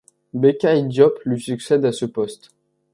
Bécaye Diop lui succède à ce poste.